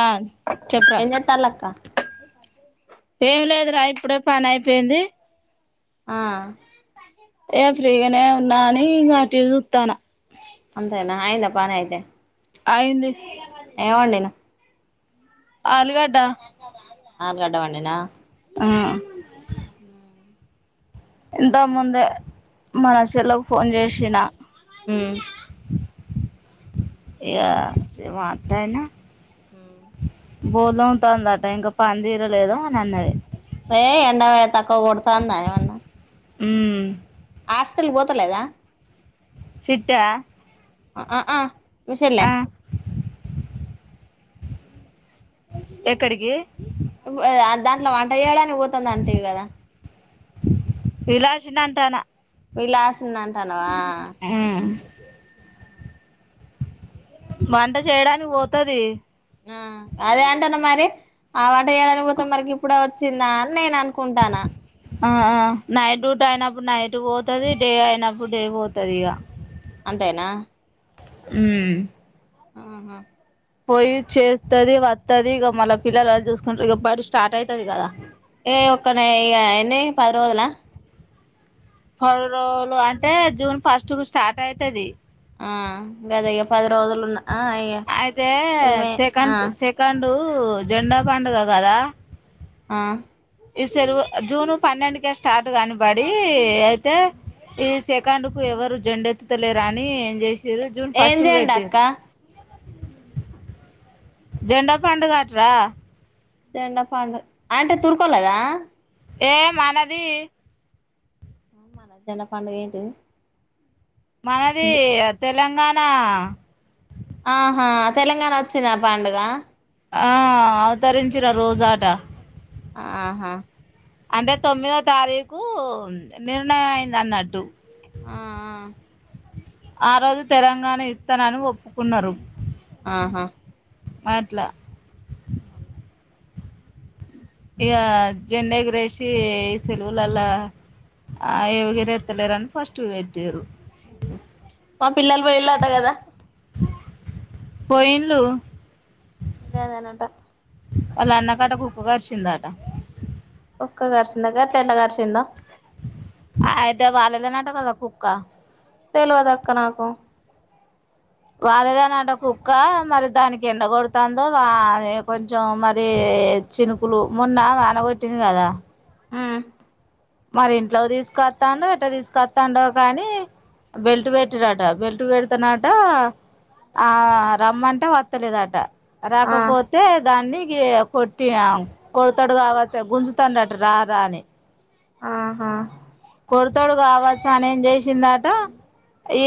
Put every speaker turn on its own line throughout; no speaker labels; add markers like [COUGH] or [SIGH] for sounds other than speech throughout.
ఆ చెప్పా
ఏం చేత్తాళ్ళు అక్క
ఏం లేదురా ఇప్పుడే పని అయిపోయింది
ఆ
ఏ ఫ్రీగానే ఉన్నా అని ఇంకాటివి చుస్తాను
అంతే నా అయంద పనే అయితే
యింది
ఏమండడినా
ఆలుగడ్డ
ఆలుగడ్డ వండినా
ఆ
హ
ఇంత ముందే మన చెట్లకు ఫోన్ చేసిన
హ
మాయినా
హ
బోలతందట ఇంకా పని తీరలేదా అని అన్నాడు
ఏ ఎంట తకువ కొతాందామన్న
ఉ
హాస్టల్ పోతలేదా
సిట్ట
ఆ ఆ మషల
ఎక్కడికి
దాంట్లో వంట చేయడాని
విలాషిన అంటానా
పలాస్ చిన్నంటానవా
ఉమ్ వంట చేయడానికి పోతుది
ఆ అదే ఏంటన్న మరి అ అయాల అనుపోా మరికి ఇప్పు చిిందా అని నేను అనుకుంటాను
ఆ నైట్ డ్యూట్ అయినప్పుడు నైట్ పోతుది డే అయినప్పుడు డే పోతుంది ఇక
అంతేనా
ఉ
ఆహా
పోయి చేస్తుది వస్తుది ఇక మళ్ పిల్లలు అ చూసుకుంటారు ఇక బటి స్టార్ట్ అవుతుంది కదా
ఏ ఒక్కన ఎన్ని పది రోజలా
పల రోజలు అంటే జూన్ ఫస్ట్ కు స్టార్ట్ అవుతది
ఆ గది ఇ పది రోజులున్నా ఇయ ఇదిమే ఆ
పండు జెండా పండుగ కదా
ఆ
ఈ సరువు జూన్ పన్నెంకే స్టార్ట్ కనబడి అయితే ఈ సకాండ్ కు ఎవరు జెండెత్తుతలేరాని ఏం చేసి చిరు జూన్
ఏం
ఫస్ట్ కు
జెండా అక్క
పెట్టరు జడా పండు కాట్రా
చెండ పాండ అంటే తుర్కోలేదా
ఏం అనది
మనజన్న పండుగ ఏంటిది.
మనది తెలంగాణ నా
ఆహా తెలంగాణ వచ్చింది, పండుగ
ఆ అవతరించరా రోజాట
ఆహా
అంటే తొమ్మిదో తారీకుు నిర్ణయం, అయింద అన్నట్టు
ఆ
ఆ రోజు తెలంగాణ ఇస్తానని, ఒప్పుకున్నారు.
ఆ ఆహా
మాట్లా
అవు
ఇ జెండగ రేషి ఈ సెలవులలా, ఆ ఏ వగర రని ఫస్ట్ వేట్ చేయరు.
మా పిల్లలు పోయిలట్టు కదా.
పోయిలు
ఇకా అదేనాటా
వాళ్ళ అన్నకాట, కుకు కరిచిందాట
కుక్క కరిసిందంట, అట్లా ఎట్లా కరిసింద
ఐతే వాళ్లదేంటాకదా కుక్క
తెలివాదు, అక్క నాకు
వాాలేదానంట కుక్క మరి దానికి ఎండ కొడుతుందో వా కొంచెం మరి చినుకులు మొన్న వానగొట్టింది కదా
మ్
మరి ఇంట్లో తీసుకొస్తాండో, ఎట్ట తీసుకొస్తాండో కానీ, బెల్ట్ బెట్ రాట్ బెల్టు పెడుతున్నాట, ఆ రమ్మంటే వస్తలేదట,
ఆ
రాకపోతే దాన్ని, కొట్టిన కొడతాడు కావచ్చ గుంజుతున్నట్టు, రారా అని
ఆహా
కోడతడు కావచ్చు, అని ఏం చేసిందట ఈ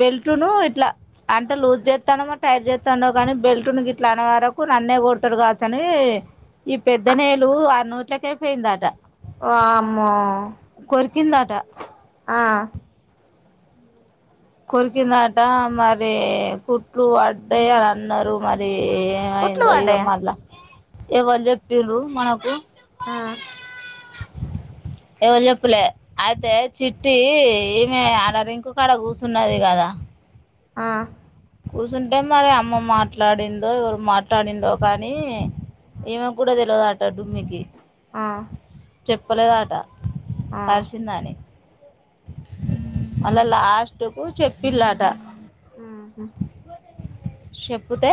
బెల్ట్ను ఇట్లా అంటే లూజ్ చేస్తానమో, టైట్ చేస్తానో కానీ బెల్ట్ ను ఇట్లా అనే వరకు నన్నే కొడతడు కావచ్చ అని. ఈ పెద్ద నేలు ఆ నూ ఇట్లా కాయి ఫయిందాటా,
ఓ అమ్మో
కొరికిందాట
ఆ
కొరికిందట మరి కుట్లు పడ్డాయని అన్నారు, మరి
కుట్లు
ఏమైందో ఇగా
పడ్డయా
మల్ల, ఎవరు చెప్పినారు, మనకు
ఆ
ఎవరు చెప్పులే అయితే చిట్టి, ఈమె అడ రింగు కాడ కుస్ సన్నది కదా,
ఆ
కూర్చుంటే మరి అమ్మ మాట్లాడిందో, ఎవరు మాట్లాడిండో కానీ, ఈమ గూడా తెలవదంట్ డు మీకు
ఆ
చెప్పలేదట
ఆ
కాార్షిన్ననేే అళ్ళ లాస్ట్ కు చెప్పిలాట
ఆ
చెప్తే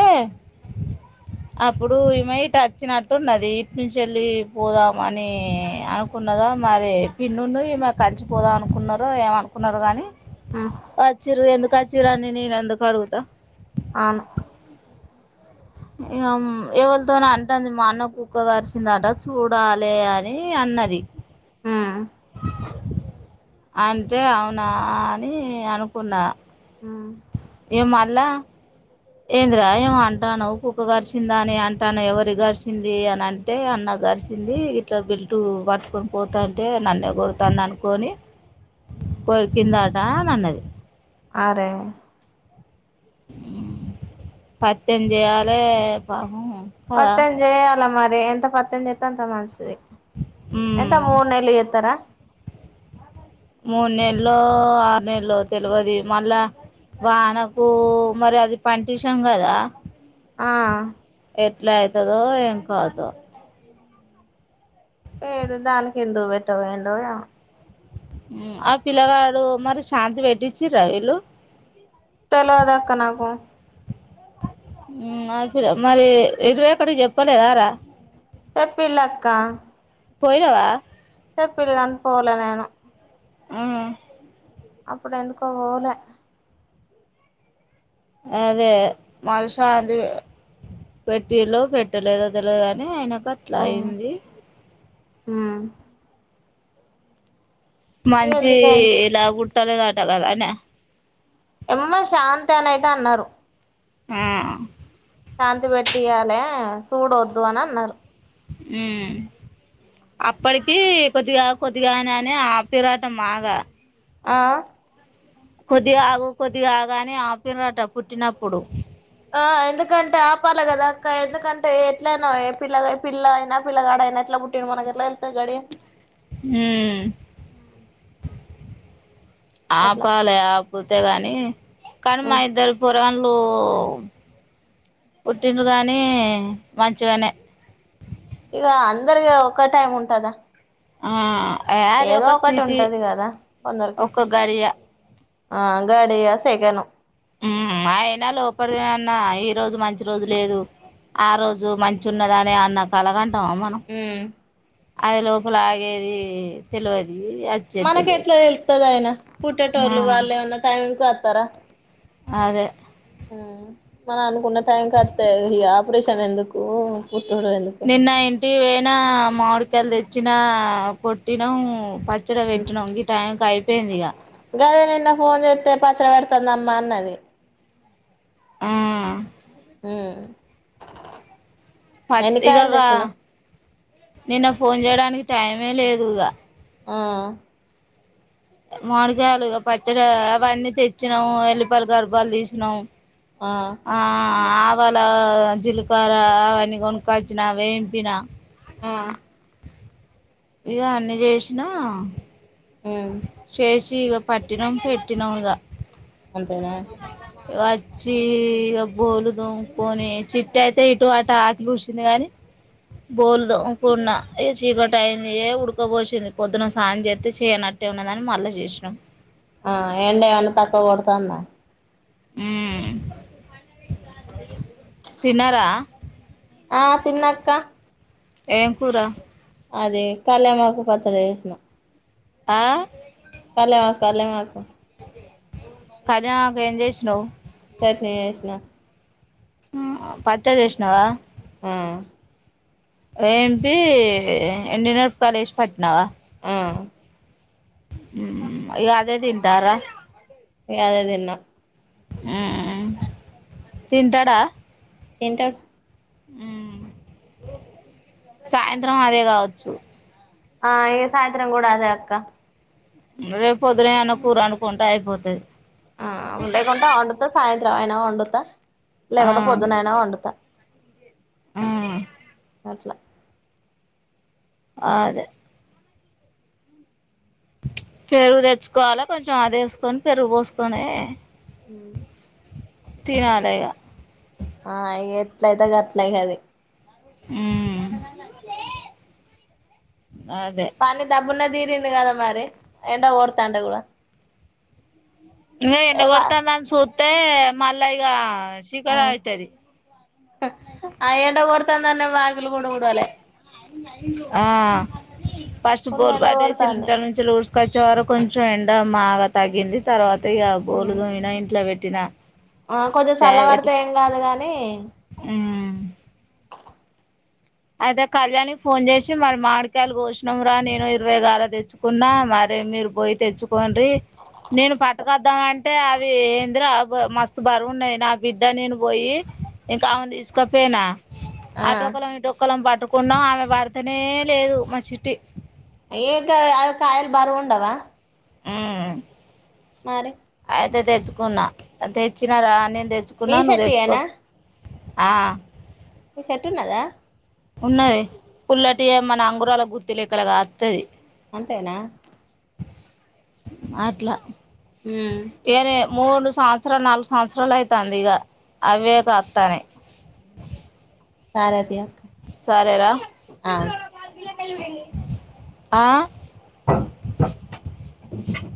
అప్పుడు ఈమె ఇటు వచ్చినట్టున్నది ఇటి నుంచి వెళ్ళి పోదాం అని అనుకున్నదా మరి పిన్నన్న ఈమె కలిసిపోదాం అనుకున్నారు ఏమనుకున్నారు కాగాని
మ్మ్
వచ్చిరు ఎందుకా చిరాణ నీను అందుకు అడుగుతా
అవును
ఇక ఎవరితోనే అంటుంది మా అన్న కుక్క కరిసిందట చూడాలి అని అన్నది
ఆ
అంటే అవునా అని అనుకున్నా
మ్మ్
ఏ మా అలా ఏంద్రా ఏమ అంటాను కుక్క గడిచిందా అని అంటాను ఎవరి గడిచింది అని అంటే అన్న గడిరిచంది ఇట్లా బిల్టు పట్టుకొని పోతాంటే నన్నే కొడతాను అనుకొని ప కన్నా దా మన్నది
ఆరే
పత్జ ఆాల పావం
పత్తజే అలమరి అరే ఎంత పత్ం ఎంతంత మనస్తది ఎంత
మ్మ్
మూర్ెలు ఇతార
మూడు నెలలో ఆరు నెలలో తెలియదు మళ్ళా వానకు మరి అది పంటిషం కదా
ఆ
ఎట్లా అవుతుదో ఏం కాదో
ఏడు దానక ఎందు పెట్టా వేండ
ఆ పిలగాడు అరి శాంత బెఠించి రవలు
తెలవదాక్క నాకు
అ మరి ఇరవై అక్కడికి చెప్పలేదారా
చెప్పలా అక్క
పోయిరావా
చెప్పిల్ కని పోవలే నేను
ఆవు
అప్పుడు ఎందుకో పోలే
అదే మల్శాంతి పెట్టిళ పెట్టలేదో తెలుగాని ఆయన అట్లా అయి్యంది
మ్మ్
మంచి
ఎందుకైందో
ఇలాగు తదటకాదనా
ఎమ్మ శాంతి అన అయితే అన్నారు
హు
శాంతి పెట్టియాలి సూడొద్దు అని అన్నారు
ఉ అప్పటికి కొద్దిగా కొద్దిగా అని ఆపిరట మాగా
ఆ
కొద్దిగా ఆగు కొద్దిగా ఆగా అని ఆపిర్రట పుట్టినప్పుడు
ఆ ఎందుకంటే ఆపాలి కదా అక్క ఎందుకంటే ఎట్లయినా ఏ పిల్ల పిల్ల అయినా పిల్లగా ఆడయినా ఎట్లా పుట్టిడు మనకి ఎట్లా తెలుత్తది గడియ
ఉమ్ ఆ
అట్లా
పాలె ఆ పోతే గాని కర్మ ఇద్దారుపో దాన్లో పుట్టిండు కానీ మంచిగానే
ఇక అందరిగా ఒక టైమ్ ఉంటదా
ఆ య అది
ఏదో
ఒక
ఒకటి
స్థితి
ఉంటది కదా కొందరికి
ఒక గడియా
ఆ గడియా సేకను
ఉమ్ అయినా లోపటిదే అన్నా ఈ రోజు మంచి రోజు లేదు ఆ రోజు మంచి ఉన్నదాని అన్న కలగన్ రామ్ అను
ఉమ్
అది లోపల ఆగేది తెలివదు
మనకు ఎట్లా తెలుత్తది అయినా
ఆ
పుట్టేటోళ్ళలు వాళ్ళు ఏమన్నా టైం కు వ తరా
అదే
ఉ మనం అనుకున్న టైం కత్తె ఈ ఆపరేషన్ ఎందుకు పుట్టుడు ఎందుకు
నిన్న ఇంటి వేనా మాడు టెలు తెచ్చిన పొట్టినం ఇచ్చడ పెట్టిన ఇంగ టైకి అయిపోయింది ఇగ
గదే నిన్న ఫోన్ ఎతే పత పెడుతుాంది అమ్మా అన్నది
ఆ
పి
మట్టి గగా నిన్న ఫోన్ చేయడానికి టయమే లేదు ఇగా
హ
మాడికాయలుగా పచ్చగా అవన్నీ తెచ్చినాం ఎల్లిపాలి గర్భాలు తీసినాము ఆ అప్ వాళ్ళ జిలుకార అవన్నీ కొనకాచ్చిన అవ వేంపినా
హ
ఇక అన్ని చేసినా
హు
తీగ పట్టినం పెట్టినముగా
అంతేనా
వచ్చి ఇక బోలు దమ్కొని చిట్టు అయితే ఇటువటు ఆక పూసిింది గాని బోల్దు ఉకున్నా ఏ చీకటి అయింది ఏ ఉడడుకోపోసింది పొద్దున సాయం చేస్తతే చేయనట్టు. అ ఉన్నదని మళ్ళా చేసినాం
ఆ ఎండ ఏమన్న తక్కువ కొడుతందా
ఆ [INAUDIBLE] తిన్నారా
ఆ తిన్నక్క
ఏం కూరా
అదే కళ్యామాకు పచ్చడ చేసిన
ఆ
కళ్యామక్ కళ్యామకు
కల్లెమాకు ఏం చేసినవ్
చట్నీ చేసిన
పచ్చడ చేసినవా
ఆ
వేంపి ఎండినేర్పాకాయలేసి పట్టినవా
ఆ
అయ్యో అదే తింటార్రా
ఇగ అదే దిన్న
ఆ.. తిన్టాడ
తింటడ్
ఊ సాయంత్రం అదే కావచ్చు
ఆ ఈ సాయంత్రం కూడా అదే అక్క
రేపు పొద్దున ఎదన్న కూర అండుకుంటే అయిపోతది
ఆ లెకుంటే అండుత సాయంత్రం అనా వండు వండుత
ఆ
లేకుంటే పొద్దున్న అనా వండత
మ్మ్
గట్లా
ఆ అదే పెరుగు తెచ్చుకోవాలె కొంచెం అది వేసుకొని పెరుగు పోసుకనే
హ్మ్ [INAUDIBLE]
తినాలే ఇగ
ఆ ఇగ ఎట్లయితే గట్లయి కది
ఆ
పని దబునా తీరింది కదా మరి ఎండ కొడ్తాంటే కూడా
ఏ ఎండ
ఏవ
కొడతాంద అని సు తే మళ్ళ ఇగా
ఆ అఎండ కొడ్తాన్న బా
ఆ ఆ ఫస్ట్
ఫుల్
బోల్
ఎండ
బయటేసి
కొడుతుంది
ఇంట నుంచి ఒక చివర కొంచెం ఎండ బాగా తాగింది తర్వాత త్తగా బోలుతోమినా ఇంట్ల పెట్ తిన
ఆ కొద్దిగా సల్ల పడితే ఏం కాదు గాని
మ్మ్ అయితే కళ్యాణికి ఫోన్ చేసి మరి మామిడికాయలు కోషినం రా నేను ఇరవైగాల తెచ్చుకున్నా మరి మీరు పోయి తెచ్చుకోన్రి నేను పట్కొద్దామ అంటే అవి ఏందిరా మస్తు బరువున్నాయి నా బిడ్డ నేను పోయి ఇంకా ఆమెతీసుకొ పేనా
ఆ
ఆటోకలమ్ ఇటో పొలం పట్టుకున్నామ్ ఆమె పడితేనే లేదు మా చిట్టి
ఏక కాయలు బరువు ఉండవా
హ్మ్
మరి
అయితే తెచ్చుకున్నా తెచ్చినారా నేను
మీ
తెచ్చుకున్నా నువ్వు తెచ్చుకో
చెట్టుయేనా
ఆ
నీ షట్ ఉన్నదా
ఉన్నది పుల్లటి ఏ మన అంగురాల గుర్తులేక్కల గాత్తది
అంతేనా
అట్ల
హ్మ్
మూడు సంవత్సరాలు నాలుగు సంవత్సరాలు అయితాంది ఇక అవే కత్తానై
సారీ అత్తయ్య
సరేరా ఆ